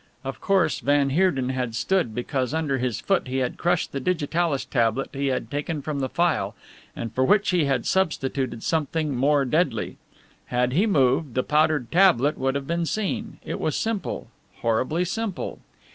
Of course, van Heerden had stood because under his foot he had crushed the digitalis tablet he had taken from the phial, and for which he had substituted something more deadly. Had he moved, the powdered tablet would have been seen. It was simple horribly simple.